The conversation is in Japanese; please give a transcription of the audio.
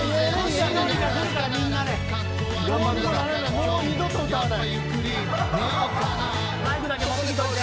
もう二度と歌わない。